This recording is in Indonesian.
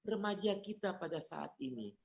remaja kita pada saat ini